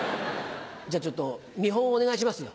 じゃあちょっと見本をお願いしますよ。